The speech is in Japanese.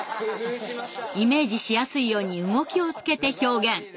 イメージしやすいように動きをつけて表現。